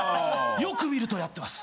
よく見るとやってます。